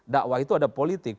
dakwah itu ada politik